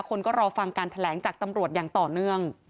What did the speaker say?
คนก็รอฟังการแถลงจากตำรวจอย่างต่อเนื่อง